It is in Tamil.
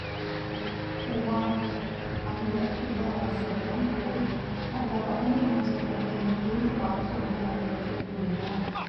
உமார் அந்த இளவரசனிடம் போய் அந்த வடமீன் நட்சத்திரத்தை இங்கிருந்து பார்க்க முடியாது என்று கூறினான்.